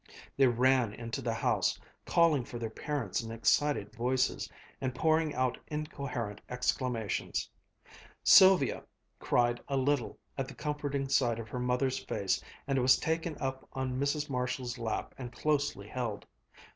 They ran into the house, calling for their parents in excited voices, and pouring out incoherent exclamations. Sylvia cried a little at the comforting sight of her mother's face and was taken up on Mrs. Marshall's lap and closely held.